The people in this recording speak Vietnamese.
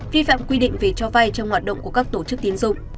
vi phạm quy định về cho vay trong hoạt động của các tổ chức tiến dụng